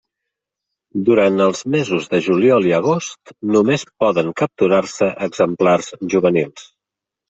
Durant els mesos de juliol i agost només poden capturar-se exemplars juvenils.